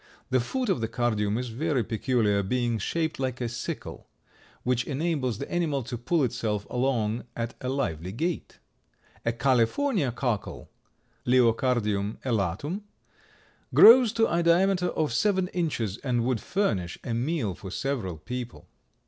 The foot of the Cardium is very peculiar, being shaped like a sickle, which enables the animal to pull itself along at a lively gait. A California cockle (Liocardium elatum) grows to a diameter of seven inches and would furnish a meal for several people.